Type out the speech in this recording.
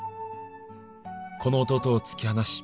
「この弟を突き放し」